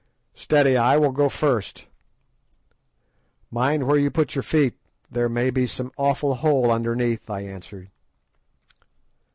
"Steady, I will go first." "Mind where you put your feet, there may be some awful hole underneath," I answered.